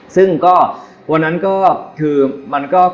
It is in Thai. ซึ่งก็วันนั้นก็คือมันก็